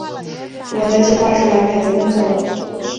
我的计划是完美的工作。